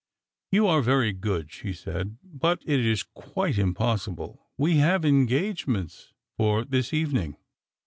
" You are very good," she said ;" but it is quite impossible. We have engagements for this evening."